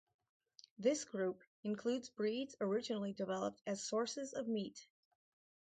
This group includes breeds originally developed as sources of meat.